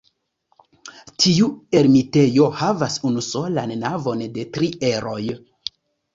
Tiu ermitejo havas unusolan navon de tri eroj.